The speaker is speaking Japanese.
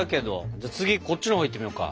じゃあ次こっちのほういってみようか。